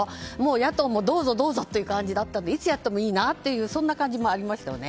野党もどうぞどうぞという感じでいつやってもいいなという感じもありましたよね。